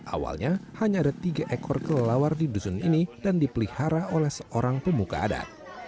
awalnya hanya ada tiga ekor kelelawar di dusun ini dan dipelihara oleh seorang pemuka adat